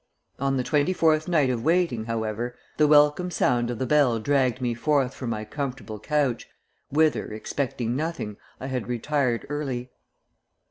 On the twenty fourth night of waiting, however, the welcome sound of the bell dragged me forth from my comfortable couch, whither, expecting nothing, I had retired early.